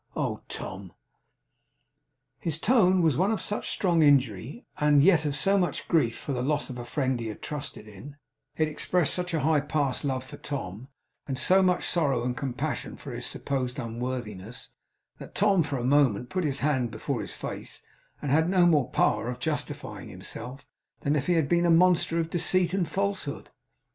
Oh, Tom!' His tone was one of such strong injury and yet of so much grief for the loss of a friend he had trusted in it expressed such high past love for Tom, and so much sorrow and compassion for his supposed unworthiness that Tom, for a moment, put his hand before his face, and had no more power of justifying himself, than if he had been a monster of deceit and falsehood.